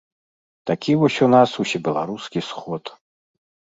Такі вось у нас усебеларускі сход.